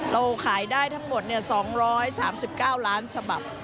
เราขายได้ทั้งหมด๒๓๙ล้านฉบับ